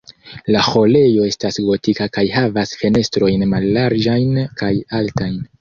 La ĥorejo estas gotika kaj havas fenestrojn mallarĝajn kaj altajn.